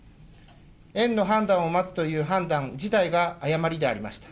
園の判断を待つという判断自体が誤りでありました。